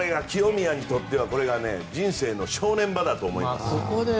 清宮にとってはこれが人生の正念場だと思います。